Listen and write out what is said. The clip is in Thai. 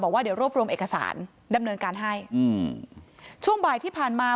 บอกว่าเดี๋ยวรวบรวมเอกสารดำเนินการให้อืมช่วงบ่ายที่ผ่านมา